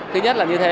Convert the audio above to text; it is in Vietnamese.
thứ nhất là như thế